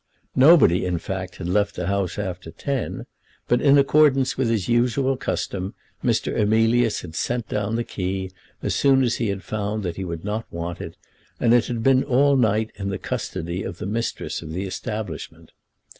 Nobody in fact had left the house after ten; but in accordance with his usual custom Mr. Emilius had sent down the key as soon as he had found that he would not want it, and it had been all night in the custody of the mistress of the establishment.